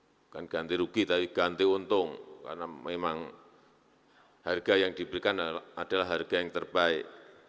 bukan ganti rugi tapi ganti untung karena memang harga yang diberikan adalah harga yang terbaik